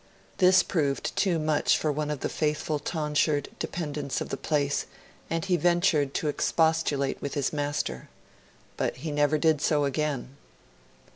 This proved too much for one of the faithful tonsured dependents of the place, and he ventured to expostulate with his master. But he never did so again.